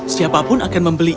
siapapun akan membencimu